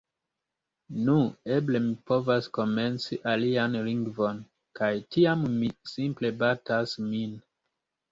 «Nu... Eble mi povas komenci alian lingvon» kaj tiam mi simple batas min